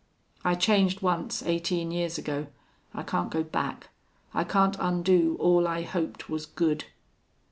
I changed once, eighteen years ago. I can't go back.... I can't undo all I hoped was good."